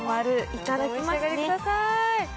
いただきます。